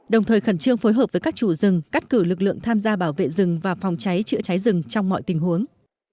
đồng thời khẩn trương phối hợp với các chủ rừng cắt cử lực lượng tham gia bảo vệ rừng và phòng cháy chữa cháy rừng trong mọi tình huống